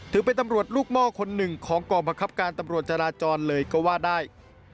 ถือเป็นตำรวจลูกหม้อคนหนึ่งของกองบังคับการตำรวจจราจรเลยก็ว่าได้